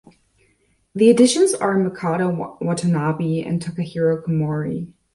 The additions are Makoto Watanabe and Takahiro Komori.